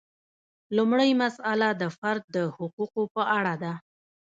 لومړۍ مسئله د فرد د حقوقو په اړه ده.